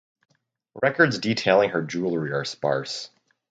Records detailing her jewellery are sparse.